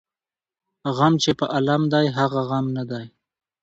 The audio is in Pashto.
ـ غم چې په عالم دى هغه غم نه دى.